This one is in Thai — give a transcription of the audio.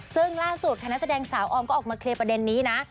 ซึ่งล่าสุดค่ะนักแสดงสาวออมก็ออกมาเคลียร์ประเด็นนี้นะ